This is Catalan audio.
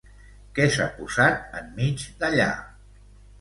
Què s'ha posat en mig d'allà?